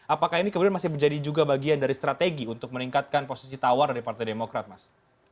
apakah ini kemudian masih menjadi juga bagian dari strategi untuk meningkatkan posisi tawar dari partai demokrat mas